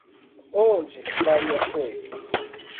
Onde Maria foi?